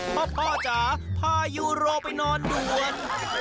พ่อจ๋าพายูโรไปนอนด่วน